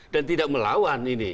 dan tidak melawan ini